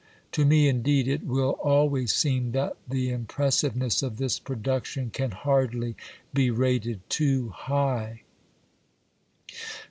To me, indeed, it will always seem that the impressiveness of this production can hardly be rated too high."